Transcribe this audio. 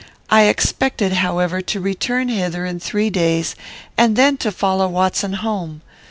I expected, however, to return hither in three days, and then to follow Watson home.